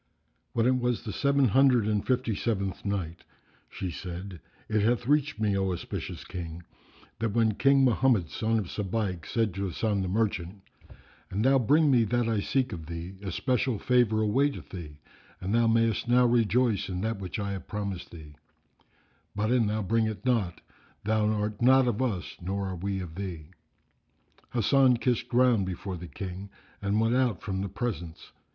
When it was the Seven Hundred and Fifty seventh Night, She said, It hath reached me, O auspicious King, that when King Mohammed son of Sabaik said to Hasan the Merchant, "An thou bring me that I seek of thee, especial favour awaiteth thee and thou mayest now rejoice in that which I have promised thee; but, an thou bring it not, thou art not of us nor are we of thee." Hasan kissed ground before the King and went out from the presence.